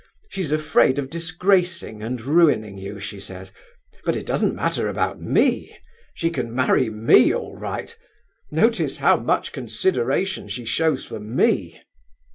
She's afraid of disgracing and ruining you, she says, but it doesn't matter about me. She can marry me all right! Notice how much consideration she shows for me!"